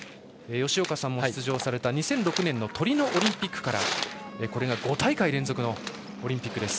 吉岡さんも出場された２００６年トリノオリンピックからこれが５大会連続のオリンピック。